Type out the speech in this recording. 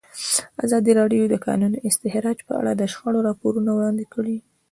ازادي راډیو د د کانونو استخراج په اړه د شخړو راپورونه وړاندې کړي.